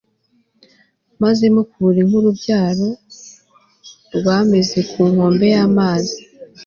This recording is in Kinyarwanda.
maze mukure nk'ururabyo rwameze ku nkombe y'amazi